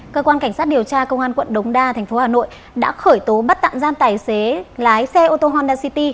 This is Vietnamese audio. cơ quan cảnh sát điều tra công an quận đống đa thành phố hà nội đã khởi tố bắt tạm giam tài xế lái xe ô tô honda city